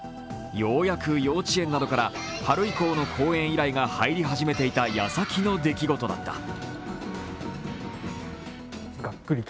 ようやく幼稚園などから春以降の公演依頼が入り始めていた矢先の出来事だった。